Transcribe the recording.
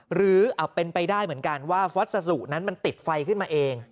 หรือเป็นไปได้เหมือนกันว่าวัสดุนั้นมันติดไฟขึ้นมาเอง